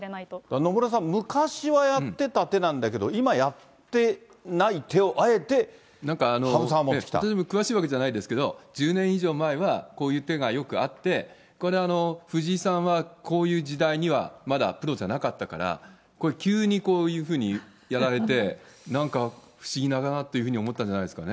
野村さん、昔はやってた手なんだけど、今やってない手を、詳しいわけじゃないんですけど、１０年以上前は、こういう手がよくあって、これ、藤井さんはこういう時代にはまだプロじゃなかったから、こういう急にこういうふうにやられて、なんか不思議だなっていうふうに思ったんじゃないですかね。